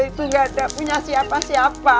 dia itu gak ada punya siapa siapa